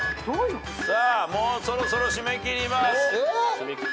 さあもうそろそろ締め切ります。